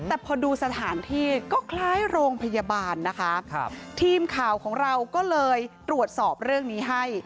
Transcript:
แต่พอดูสถานที่ก็คล้ายโรงพยาบาลนะคะครับทีมข่าวของเราก็เลยตรวจสอบเรื่องนี้ให้